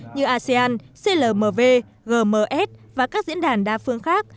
như asean clmv gms và các diễn đàn đa phương khác